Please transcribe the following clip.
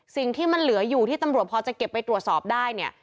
สิ่งที่มันเหลืออยู่ที่ตำรวจพอจะเก็บไปตรวจสอบได้เนี่ย